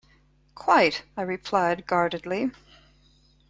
"Quite," I replied guardedly.